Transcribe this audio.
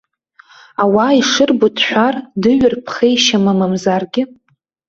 Ауаа ишырбо дшәар, дыҩыр ԥхеишьама, мамзаргьы.